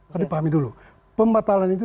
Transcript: harus dipahami dulu pembatalan itu